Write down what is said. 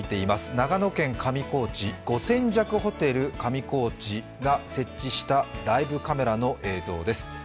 長野県上高地、ホテルが設置したライブカメラの映像です。